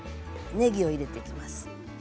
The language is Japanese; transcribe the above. ねぎを入れていきます。